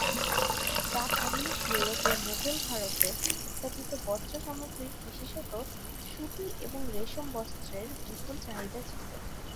প্রাক আধুনিক ইউরোপে মুঘল ভারতে উৎপাদিত বস্ত্র সামগ্রীর বিশেষত সুতি এবং রেশম বস্ত্রের বিপুল চাহিদা ছিল।